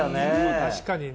確かにね。